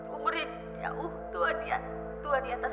umurnya jauh tua di atas